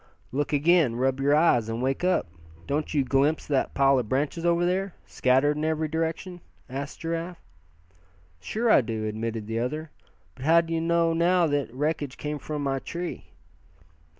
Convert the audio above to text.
"Look again. Rub your eyes, and wake up! Don't you glimpse that pile of branches over there, scattered in every direction?" asked Giraffe. "Sure I do," admitted the other, "but how d'ye know now that wreckage came from my tree?"